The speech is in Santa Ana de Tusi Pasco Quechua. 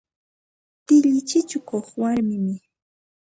Tilli chikikuq warmimi.